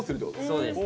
そうです。